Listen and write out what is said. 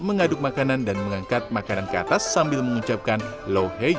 mengaduk makanan dan mengangkat makanan ke atas sambil mengucapkan lo hei lo hei